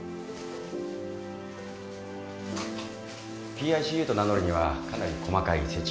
ＰＩＣＵと名乗るにはかなり細かい設置基準がある。